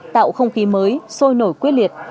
tạo không khí mới sôi nổi quyết liệt